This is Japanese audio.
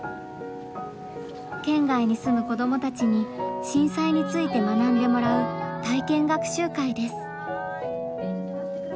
県外に住む子どもたちに震災について学んでもらう体験学習会です。